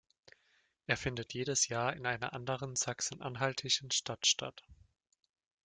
Er findet jedes Jahr in einer anderen sachsen-anhaltischen Stadt statt.